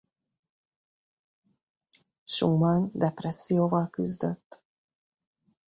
Schumann depresszióval küzdött.